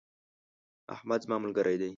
احمد زما ملګری دی.